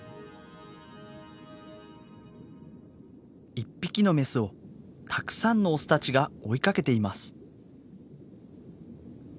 １匹のメスをたくさんのオスたちが追いかけています。